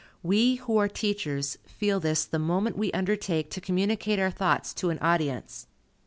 We, who are teachers, feel this the moment we undertake to communicate our thoughts to an audience.